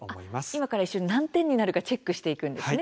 今から一緒に何点になるかチェックしていくんですね。